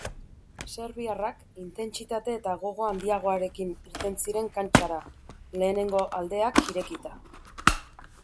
Serbiarrak intentsitate eta gogo handiagoekin irten ziren kantxara, lehenengo aldeak irekita.